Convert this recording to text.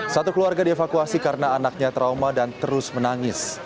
satu keluarga dievakuasi karena anaknya trauma dan terus menangis